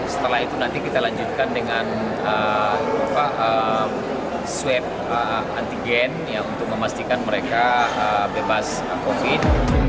setelah itu nanti kita lanjutkan dengan swab antigen untuk memastikan mereka bebas covid